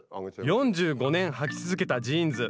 ４５年はき続けたジーンズ。